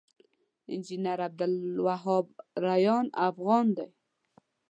انجنير عبدالوهاب ريان افغان دی